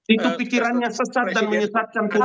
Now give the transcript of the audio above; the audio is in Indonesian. itu pikirannya sesat dan menyesatkan keluarga